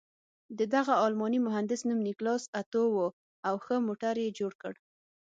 د دغه الماني مهندس نوم نیکلاس اتو و او ښه موټر یې جوړ کړ.